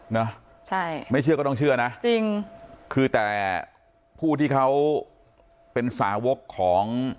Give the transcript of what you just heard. นะใช่ไม่เชื่อก็ต้องเชื่อนะจริงคือแต่ผู้ที่เขาเป็นสาวกของ